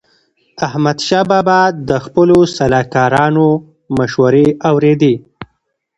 احمدشاه بابا د خپلو سلاکارانو مشوري اوريدي.